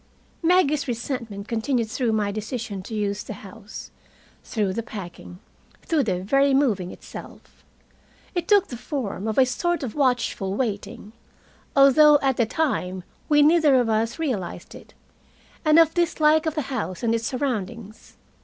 Maggie's resentment continued through my decision to use the house, through the packing, through the very moving itself. It took the form of a sort of watchful waiting, although at the time we neither of us realized it, and of dislike of the house and its surroundings.